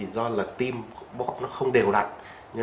do là tim bóp không đều đặn